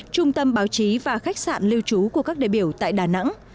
trung tâm báo chí và khách sạn lưu trú của các đại biểu tại đà nẵng